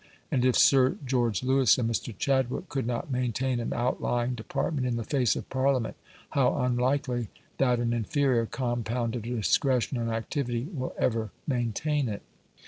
And if Sir George Lewis and Mr. Chadwick could not maintain an outlying department in the face of Parliament, how unlikely that an inferior compound of discretion and activity will ever maintain it!